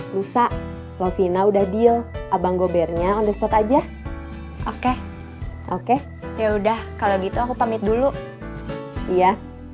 lusa lovina udah deal abang gobernya on the spot aja oke oke yaudah kalau gitu aku pamit dulu iya